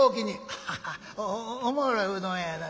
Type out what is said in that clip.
「おもろいうどん屋やな。